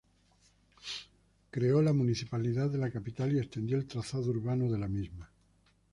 Creó la municipalidad de la capital y extendió el trazado urbano de la misma.